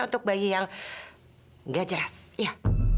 untuk bayi yang nggak jelas ya